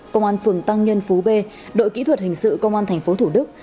công an phường tăng nhân phú b đội kỹ thuật hình sự công an tp thủ đức